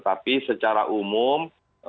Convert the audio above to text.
tapi secara umum